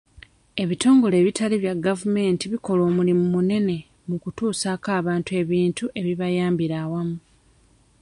Ebitongole ebitali bya gavumenti bikola omulimu munene mu kutuusako abantu ebintu ebibayambira awamu.